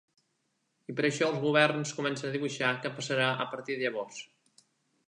I per això els governs comencen a dibuixar què passarà a partir de llavors.